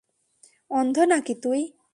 অন্ধ নাকি তুই?